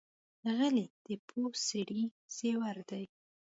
غلی، د پوه سړي زیور دی.